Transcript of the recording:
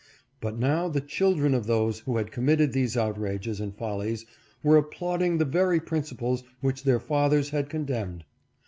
But now the children of those who had committed these outrages and follies were applauding the very principles which their fathers had condemned.